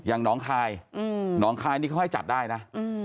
อย่างน้องคายหนองคายนี่เขาให้จัดได้นะ